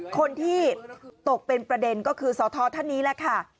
คนที่ตกเป็นประเด็นก็คือสทท่านนี้แหละค่ะ